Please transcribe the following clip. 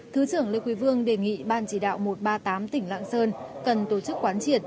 thứ trưởng lê quý vương đề nghị ban chỉ đạo một trăm ba mươi tám tỉnh lạng sơn cần tổ chức quán triệt